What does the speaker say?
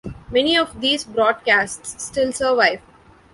Many of these broadcasts still survive.